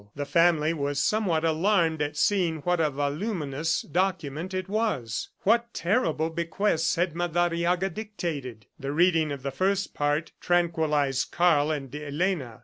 The family was somewhat alarmed at seeing what a voluminous document it was. What terrible bequests had Madariaga dictated? The reading of the first part tranquilized Karl and Elena.